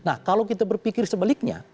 nah kalau kita berpikir sebaliknya